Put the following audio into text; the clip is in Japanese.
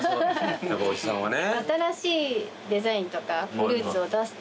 おじさんはね。